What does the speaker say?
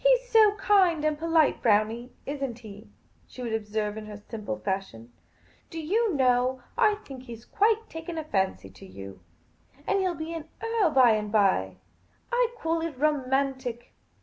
" He 's so kind and polite, Brownie, is n't he ?" she would observe in her simple fashion. " Do you know, I think he 's taken quite a fancy to you ! And he '11 be an earl by and by. I call it romantic.